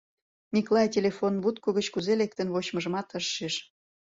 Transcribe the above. — Миклай телефон будко гыч кузе лектын вочмыжымат ыш шиж.